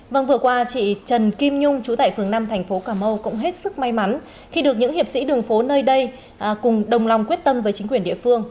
vâng vừa qua chị trần kim nhung trú tại phường năm thành phố cà mau cũng hết sức may mắn khi được những hiệp sĩ đường phố nơi đây cùng đồng lòng quyết tâm với chính quyền địa phương